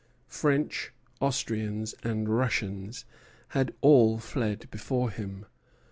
French, Austrians, and Russians had all fled before him.